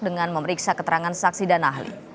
dengan memeriksa keterangan saksi dan ahli